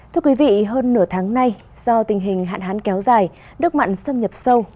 thưa quý vị hơn nửa tháng nay do tình hình hạn hán kéo dài đất mặn xâm nhập sâu